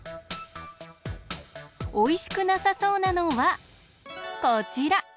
おいしくなさそうなのはこちら。